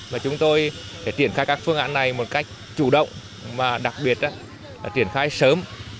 và chúng tôi triển khai các phương án này một cách chủ động và đặc biệt triển khai sớm